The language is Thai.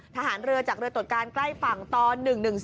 ทหารเรือจากเรือตรวจการใกล้ฝั่งตอน๑๑๒